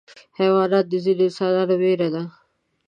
حیوانات د ځینو انسانانو ویره ده.